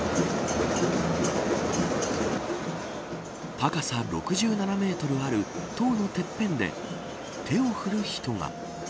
高さ６７メートルある塔のてっぺんで手を振る人が。